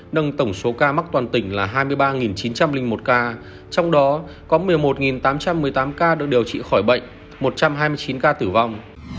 nâng tổng số ca mắc toàn tỉnh là hai mươi ba chín trăm linh một ca trong đó có một mươi một tám trăm một mươi tám ca được điều trị khỏi bệnh một trăm hai mươi chín ca tử vong